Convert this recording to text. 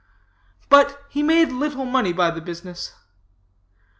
But he made little money by the business.